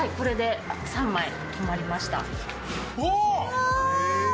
うわ！